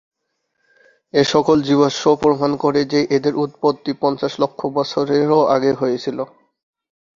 এ সকল জীবাশ্ম প্রমাণ করে যে এদের উৎপত্তি পঞ্চাশ লক্ষ বছরেরও আগে হয়েছিল।